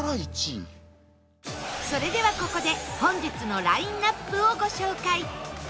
それではここで本日のラインアップをご紹介